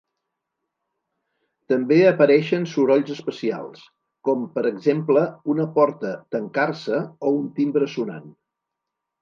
També apareixen sorolls especials, com per exemple, una porta tancar-se o un timbre sonant.